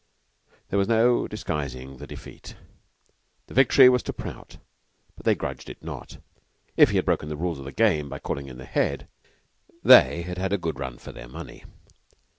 There was no disguising the defeat. The victory was to Prout, but they grudged it not. If he had broken the rules of the game by calling in the Head, they had had a good run for their money.